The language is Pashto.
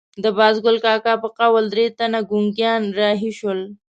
د بازګل کاکا په قول درې تنه ګونګیان رهي شول.